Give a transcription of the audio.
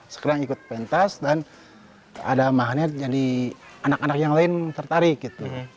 sekarang ikut pentas dan ada magnet jadi anak anak yang lain tertarik gitu